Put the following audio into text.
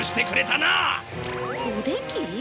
おでき？